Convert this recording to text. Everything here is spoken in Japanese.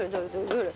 どれ？